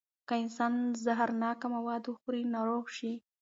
که انسان زهرناکه مواد وخوري، ناروغ شي.